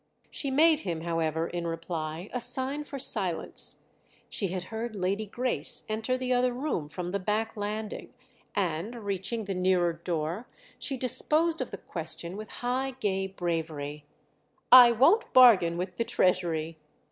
She made him, however, in reply, a sign for silence; she had heard Lady Grace enter the other room from the back landing, and, reaching the nearer door, she disposed of the question with high gay bravery. "I won't bargain with the Treasury!"